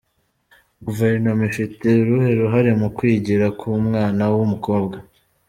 Guverinoma ifite uruhe ruhare mu “Kwigira” k’umwana w’umukobwa?.